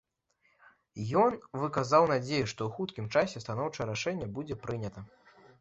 Ён выказаў надзею, што ў хуткім часе станоўчае рашэнне будзе прынята.